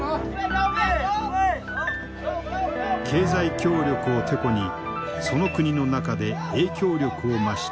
経済協力をてこにその国の中で影響力を増していく中国。